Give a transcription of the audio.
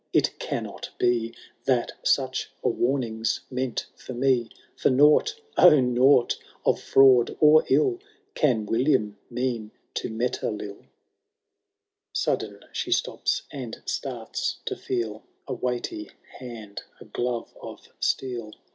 it cannot be, That sueh a waming^s meant for me, For nought — oh 1 nought of fraud or ill Can William mean to Metelill ! VII. Sudden ihe stops— and starts to feel A weighty hand, a glove of steel.